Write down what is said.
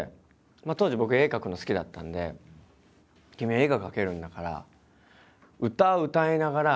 当時僕絵描くの好きだったんで「君絵が描けるんだから」